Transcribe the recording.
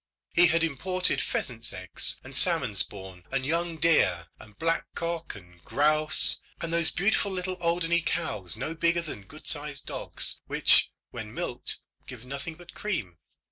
He had imported pheasants' eggs, and salmon spawn, and young deer, and black cock and grouse, and those beautiful little Alderney cows no bigger than good sized dogs, which, when milked, give nothing but cream.